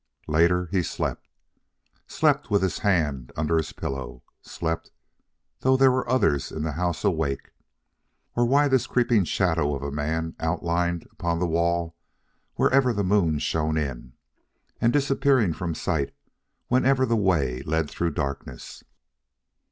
Later, he slept. Slept! with his hand under his pillow! Slept, though there were others in the house awake! or why this creeping shadow of a man outlined upon the wall wherever the moon shone in, and disappearing from sight whenever the way led through darkness.